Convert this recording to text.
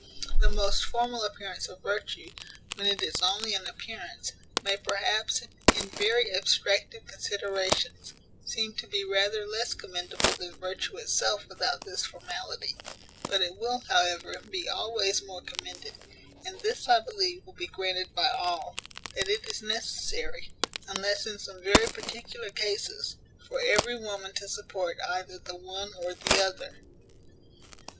The most formal appearance of virtue, when it is only an appearance, may, perhaps, in very abstracted considerations, seem to be rather less commendable than virtue itself without this formality; but it will, however, be always more commended; and this, I believe, will be granted by all, that it is necessary, unless in some very particular cases, for every woman to support either the one or the other.